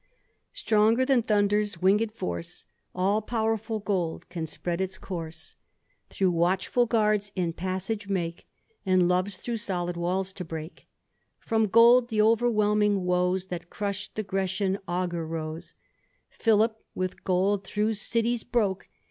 Stronger than thunder's winged force, All powerful gold can spread its course, ' 224 THE ADVENTURER, Thro* watchful guards its passage make, And loves thro' solid walls to break : From gold the overwhelming woes. That crush'd the Grecian augur rose ; Philip with gold thro' cities broke.